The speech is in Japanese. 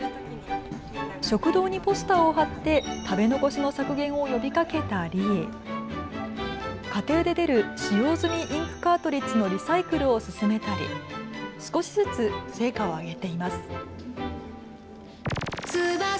食堂にポスターを貼って食べ残しの削減を呼びかけたり家庭で出る使用済みインクカートリッジのリサイクルを進めたり少しずつ成果を上げています。